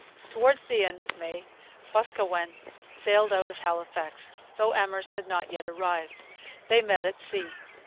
Towards the end of May Boscawen sailed out of Halifax, though Amherst had not yet arrived. They met at sea.